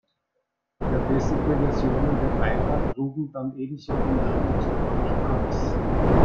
Verbesserte Versionen der Piper trugen dann ebenso den Namen Super Cubs.